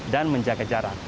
dan menjaga jarak